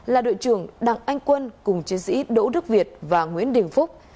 là đội trưởng đặng anh quân cùng chiến sĩ đỗ đức việt và nguyễn đình phúc